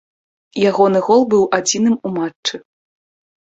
Ягоны гол быў адзіным у матчы.